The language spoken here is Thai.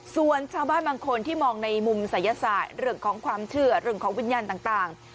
ส่วนชาวบ้านบางคนที่มองในมุมศัยศาสตร์เรื่องของความเชื่อเรื่องของวิญญาณต่าง